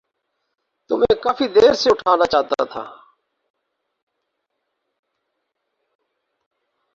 تمہیں کافی دیر سے اٹھانا چاہتا تھا۔